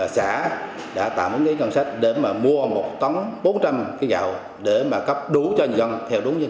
xã đã tạm ứng ngân sách để mua một tấn bốn trăm linh gạo để cấp đủ cho dân